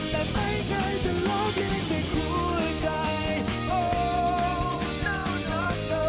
แต่ไม่เคยจะลงหรือจากหัวใจ